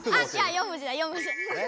４文字だ４文字。